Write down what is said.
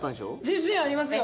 自信ありますよ。